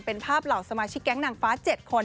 เป็นภาพเหล่าสมาชิกแก๊งนางฟ้า๗คน